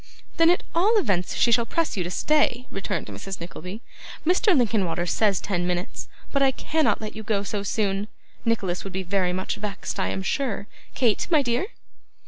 'Then at all events she shall press you to stay,' returned Mrs. Nickleby. 'Mr. Linkinwater says ten minutes, but I cannot let you go so soon; Nicholas would be very much vexed, I am sure. Kate, my dear!